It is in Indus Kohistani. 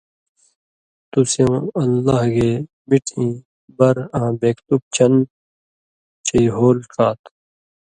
تُو سېوں اللہ گے مِٹھیں بر آں بېکتُک چن چئ ہول ڇا تھُو۔